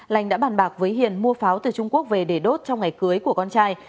lành đã bàn bạc với hiền mua pháo từ trung quốc về để đốt trong ngày cưới của con trai